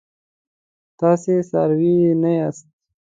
تاسي څاروي نه یاست.